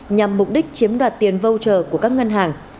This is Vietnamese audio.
nhằm mục đích chiếm đoạt tiền voucher của các ngân hàng